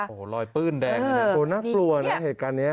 โหโหรอยปื้อนแดงโอ้นักลัวนะเหตุการณ์เนี้ย